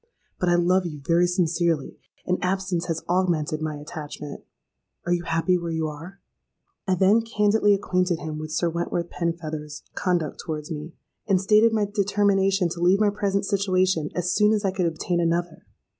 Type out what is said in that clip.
But I love you very sincerely, and absence has augmented my attachment. Are you happy where you are?'—I then candidly acquainted him with Sir Wentworth Penfeather's conduct towards me, and stated my determination to leave my present situation as soon as I could obtain another.